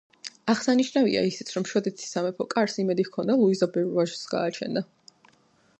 აღსანიშნავია ისიც, რომ შვედეთის სამეფო კარს იმედი ჰქონდა ლუიზა ბევრ ვაჟს გააჩენდა.